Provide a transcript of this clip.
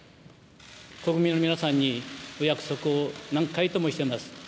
国民の皆さんにお約束を何回ともしてます。